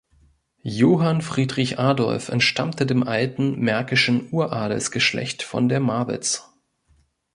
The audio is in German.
Johann Friedrich Adolf entstammte dem alten märkischen Uradelsgeschlechts von der Marwitz.